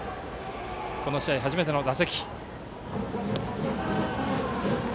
この試合、初めての打席。